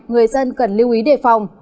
người dân cần lưu ý đề phòng